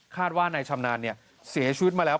คาดว่าในชำนานเนี่ยเสียชีวิตมาแล้ว